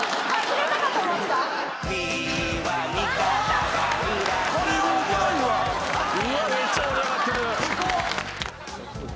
めっちゃ盛り上がってる。